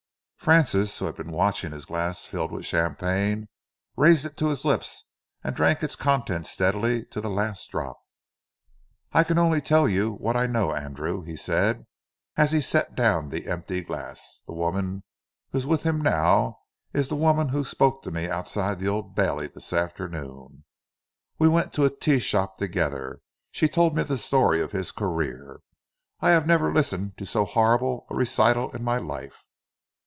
Francis, who had been watching his glass filled with champagne, raised it to his lips and drank its contents steadily to the last drop. "I can only tell you what I know, Andrew," he said, as he set down the empty glass. "The woman who is with him now is the woman who spoke to me outside the Old Bailey this afternoon. We went to a tea shop together. She told me the story of his career. I have never listened to so horrible a recital in my life."